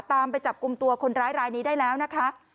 ไปจับกลุ่มตัวคนร้ายรายนี้ได้แล้วนะคะ